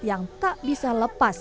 yang tak bisa lepas